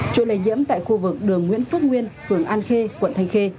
trôi lây nhiễm tại khu vực đường nguyễn phước nguyên phường an khê quận thanh khê